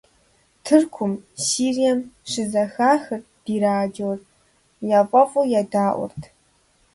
Тыркум, Сирием щызэхахырт ди радиор, яфӀэфӀу едаӀуэрт.